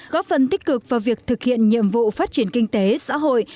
góp phần tích cực vào việc thực hiện nhiệm vụ phát triển kinh tế xã hội